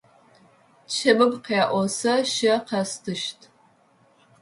Чэмым къеӏо: Сэ щэ къэстыщт.